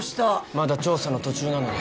まだ調査の途中なので。